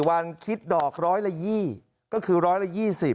วันคิดดอก๑๐๐ละ๒๐ก็คือ๑๐๐ละ๒๐